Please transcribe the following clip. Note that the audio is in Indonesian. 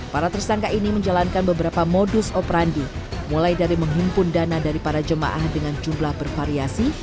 para tersangka ini menjalankan beberapa modus operandi mulai dari menghimpun dana dari para jemaah dengan jumlah bervariasi